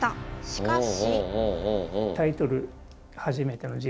しかし。